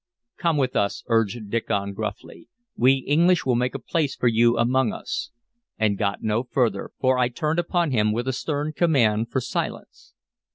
"Come with us," urged Diccon gruffly. "We English will make a place for you among us" and got no further, for I turned upon him with a stern command for silence.